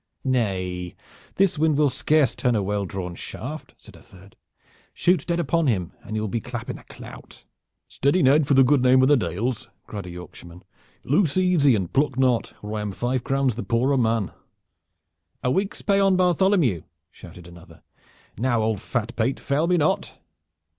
"Nay, this wind will scarce turn a well drawn shaft," said a third. "Shoot dead upon him and you will be clap in the clout." "Steady, Ned, for the good name of the Dales," cried a Yorkshireman. "Loose easy and pluck not, or I am five crowns the poorer man." "A week's pay on Bartholomew!" shouted another. "Now, old fat pate, fail me not!"